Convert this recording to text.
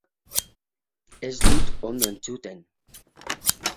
Ez dut ondo entzuten